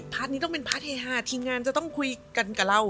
นี้ต้องเป็นพาร์ทเฮฮาทีมงานจะต้องคุยกันกับเรา